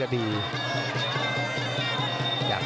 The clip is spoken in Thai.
หมดยกสุดท้าย